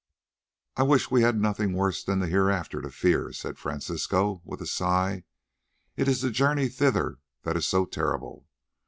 "I wish we had nothing worse than the Hereafter to fear," said Francisco with a sigh. "It is the journey thither that is so terrible.